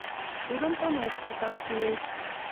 — Тудым тынеш пурташ кӱлеш.